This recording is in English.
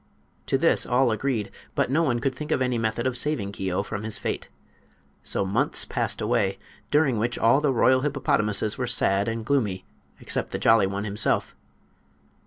To this all agreed, but no one could think of any method of saving Keo from his fate. So months passed away, during which all the royal hippopotamuses were sad and gloomy except the Jolly One himself.